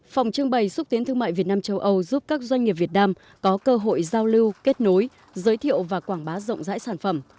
phòng trưng bày xúc tiến thương mại việt nam châu âu giúp các doanh nghiệp việt nam có cơ hội giao lưu kết nối giới thiệu và quảng bá rộng rãi sản phẩm